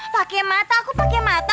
pakai mata aku pakai mata